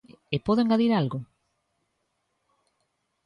E podo engadir algo?